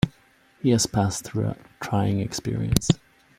He has passed through a trying experience.